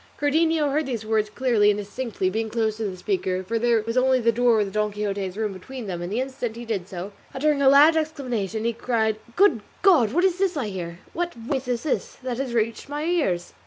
Cardenio heard these words clearly and distinctly, being quite close to the speaker, for there was only the door of Don Quixote's room between them, and the instant he did so, uttering a loud exclamation he cried, "Good God! what is this I hear? What voice is this that has reached my ears?"